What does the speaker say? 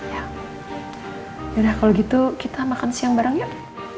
ya udah kalau gitu kita makan siang bareng yuk